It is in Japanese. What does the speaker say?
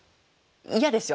嫌ですよ。